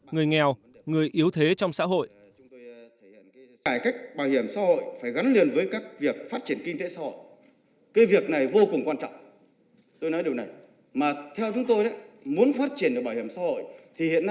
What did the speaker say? người nghèo người yếu thế trong xã hội